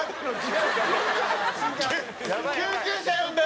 「救急車呼んで！